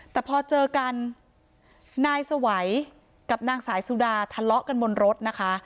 แต่พอเจอกันนายสวัยกับนางสายสุดาทะเลาะกันบนรถนะคะ